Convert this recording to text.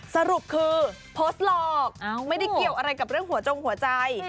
สรุปคือโพสต์หลอกไม่ได้เกี่ยวอะไรกับเรื่องหัวจงหัวใจ